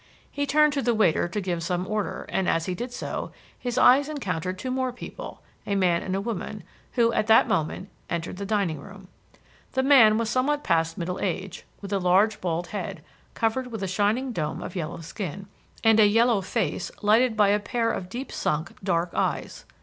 He turned to the waiter to give some order, and as he did so, his eyes encountered two more people, a man and a woman, who, at that moment, entered the dining room. The man was somewhat past middle age, with a large bald head, covered with a shining dome of yellow skin, and a yellow face lighted by a pair of deep sunk dark eyes.